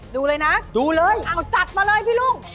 ดูเลยนะเอาจัดมาเลยพี่รุ้ง